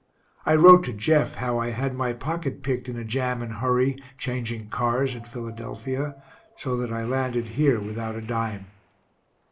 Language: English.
I wrote to Jeff how I had my pocket picked in a jam and hurry, changing cars, at Philadelphia so that I landed here without a dime.